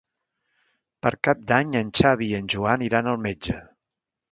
Per Cap d'Any en Xavi i en Joan iran al metge.